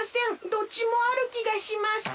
どっちもあるきがします。